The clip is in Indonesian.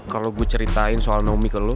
kalo gue ceritain soal naomi itu gak enak deh